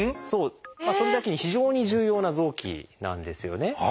それだけに非常に重要な臓器なんですよね。